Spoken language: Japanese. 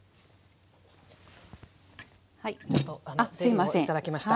はいちょっとゼリーを頂きました。